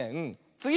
つぎ！